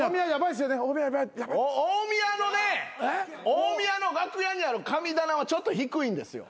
大宮の楽屋にある神棚はちょっと低いんですよ。